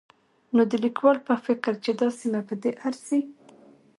نو د ليکوال په فکر چې دا سيمه په دې ارځي